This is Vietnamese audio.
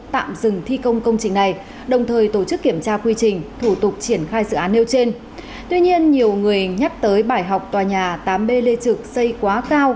tuy nhiên nhiều người nhắc tới bài học tòa nhà tám b lê trực xây quá cao